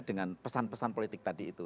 dengan pesan pesan politik tadi itu